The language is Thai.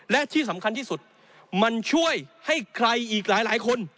และที่สำคัญที่สุดมันช่วยให้ใครอีกหลายคน